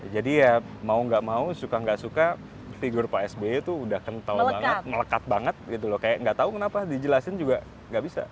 jadi ya mau gak mau suka gak suka figur pak sby tuh udah kental banget melekat banget gitu loh kayak gak tau kenapa dijelasin juga gak bisa